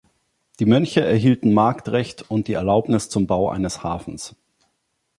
Die Mönche erhielten Marktrecht und die Erlaubnis zum Bau eines Hafens.